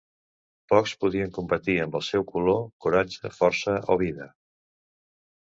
Pocs podien competir amb el seu "color, coratge, força o vida".